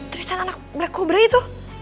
tristan anak black cobra itu